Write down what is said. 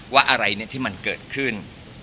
ว่าอะไรที่มันเกิดขึ้น